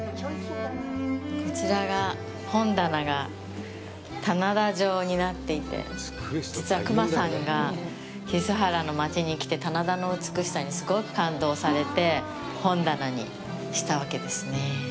こちらが、本棚が棚田状になっていて、実は隈さんが梼原の町に来て棚田の美しさにすごく感動されて本棚にしたわけですね。